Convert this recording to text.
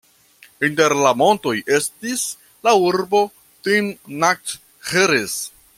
Inter la montoj estis la urbo Timnat-Ĥeres.